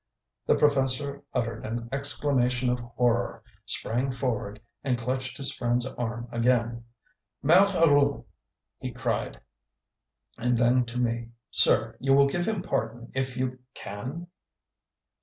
The professor uttered an exclamation of horror, sprang forward, and clutched his friend's arm again. "Malheureux!" he cried, and then to me: "Sir, you will give him pardon if you can?